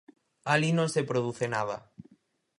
Alí non se produce nada.